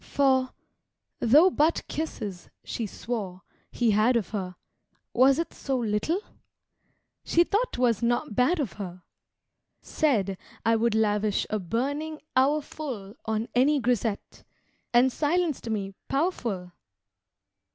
For! though but kisses she swore! he had of her, Was it so little? She thought 'twas not bad of her, Said I would lavish a burning hour full On any grisette. And silenced me, powerful!